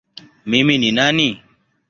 Mimi ni nani?